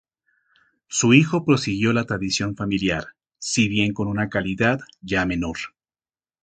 Su hijo prosiguió la tradición familiar, si bien con una calidad ya menor.